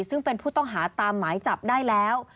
ซึ่งเป็นผู้ต้องหาตามหมายจับได้แล้ว